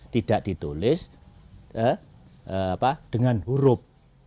tidak ditulis dengan huruf